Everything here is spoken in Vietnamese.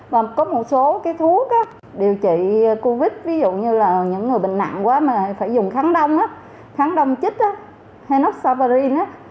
và có một số cái thuốc á điều trị covid ví dụ như là những người bệnh nặng quá mà phải dùng kháng đông á kháng đông chích á henoxaparin á